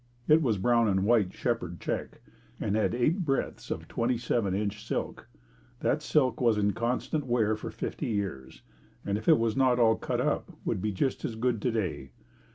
It was a brown and white shepherd check and had eight breadths of twenty seven inch silk. That silk was in constant wear for fifty years and if it was not all cut up, would be just as good today.